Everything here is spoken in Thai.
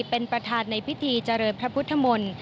เป็นประธานในพิธีเจริญพระพุทธมนตร์